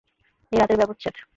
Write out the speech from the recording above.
এই রাতের ব্যবচ্ছেদ।